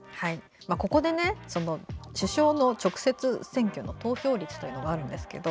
ここで首相の直接選挙の投票率があるんですけど。